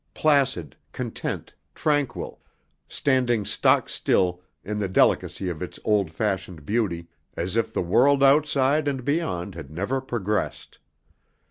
Placid, content, tranquil, standing stock still in the delicacy of its old fashioned beauty, as if the world outside and beyond had never progressed.